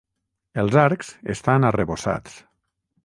Els arcs estan arrebossats.